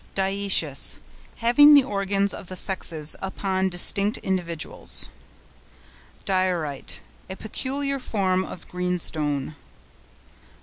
DIOECIOUS.—Having the organs of the sexes upon distinct individuals. DIORITE.—A peculiar form of Greenstone.